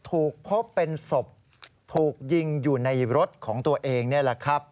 ถูกพบเป็นศพถูกยิงอยู่ในรถของตัวเองนี่แหละครับ